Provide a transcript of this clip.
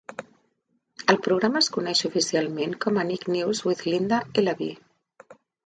El programa es coneix oficialment com a "Nick News with Linda Ellerbee".